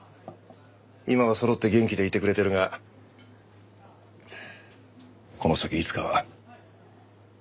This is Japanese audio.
今はそろって元気でいてくれてるがこの先いつかは。